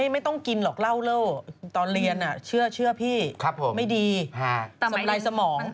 ไม่ต้องกินหรอกเร้าเร้อตอนเรียนน่ะเชื่อพี่ไม่ดีสมัยสมอง